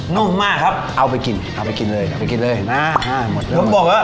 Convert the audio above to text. นุ่มมากครับเอาไปกินเอาไปกินเลยเอาไปกินเลยเอาไปกินเลยเอาไปกินเลย